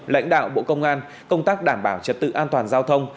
lãnh đạo bộ công an công tác đảm bảo trật tự an toàn giao thông